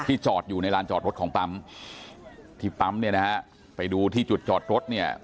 ที่จอดอยู่ในร้านจอดรถของปั๊มที่ปั๊มไปดูที่จุดจอดรถ